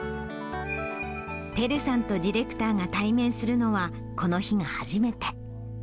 てるさんとディレクターが対面するのはこの日が初めて。